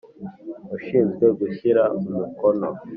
Ushinzwe gushyira umukono